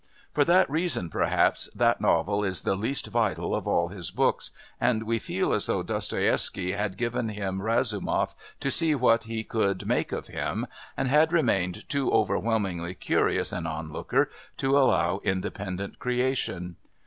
For that reason, perhaps, that novel is the least vital of all his books, and we feel as though Dostoievsky had given him Razumov to see what he could make of him, and had remained too overwhelmingly curious an onlooker to allow independent creation.